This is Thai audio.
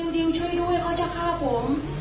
ดิวช่วยด้วยเขาจะฆ่าผม